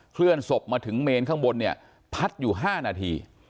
เคลื่อนศพมาถึงเมนข้างบนเนี่ยพัดอยู่๕นาที